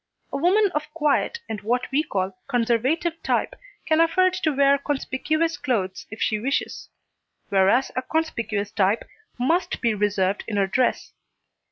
A woman of quiet and what we call conservative type, can afford to wear conspicuous clothes if she wishes, whereas a conspicuous type must be reserved in her dress.